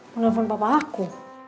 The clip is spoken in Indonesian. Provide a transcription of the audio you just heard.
mau telepon papa aku